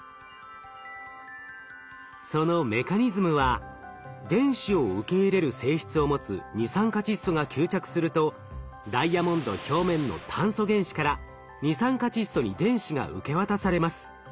そのメカニズムは電子を受け入れる性質を持つ二酸化窒素が吸着するとダイヤモンド表面の炭素原子から二酸化窒素に電子が受け渡されます。